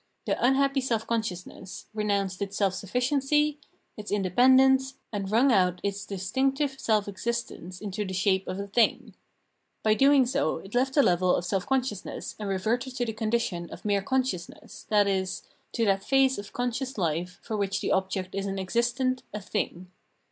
The unhappy self consciousness re nounced its self sufficiency, its independence, and wrung out its distinctive self existence into the shape of a thing. By doing so, it left the level of self consciousness and reverted to the condition of mere con sciousness, i.e. to that phase of conscious life for which the object is an existent, a thing.